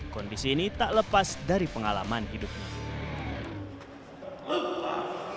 kondisi ini tak lepas dari pengalaman hidupnya